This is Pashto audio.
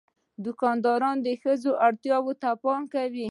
دوکاندار د ښځو اړتیا ته پام کوي.